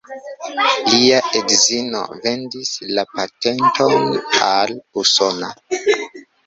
Lia edzino vendis la patenton al usona.